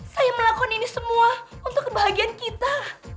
saya melakukan ini semua untuk kebahagiaan kita